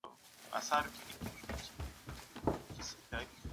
د زړونو ګټل هنر غواړي.